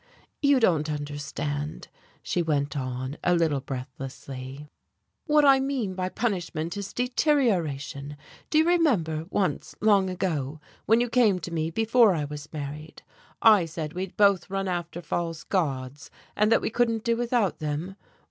"You don't understand," she went on, a little breathlessly, "what I mean by punishment is deterioration. Do you remember once, long ago, when you came to me before I was married, I said we'd both run after false gods, and that we couldn't do without them?